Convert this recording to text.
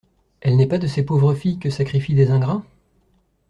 Elle n'est pas de ces pauvres filles que sacrifient des ingrats?